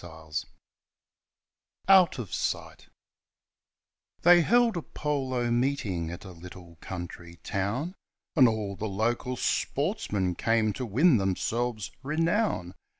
i74 OUT OF SIGHT They held a polo meeting at a little country town, And all the local sportsmen came to win themselves renown.